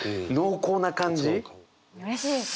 うれしいですね。